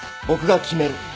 僕が決める。